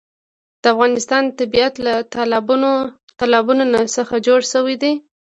د افغانستان طبیعت له تالابونه څخه جوړ شوی دی.